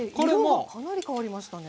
色がかなり変わりましたね。